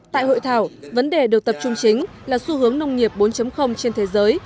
tại hội thảo vấn đề được tập trung chính là xu hướng nông nghiệp bốn trên thế giới